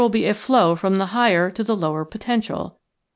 be a flow from the higher to the lower poten tial.